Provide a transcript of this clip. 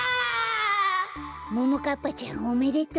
ももかっぱちゃんおめでとう。